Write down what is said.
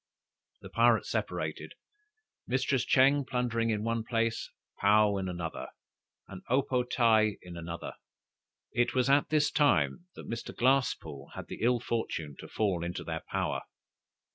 The pirates separated: Mistress Ching plundering in one place, Paou in another, and O po tae in another, &c. It was at this time that Mr. Glasspoole had the ill fortune to fall into their power.